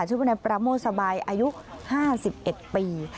ชื่อว่าในปราโมสบายอายุ๕๑ปี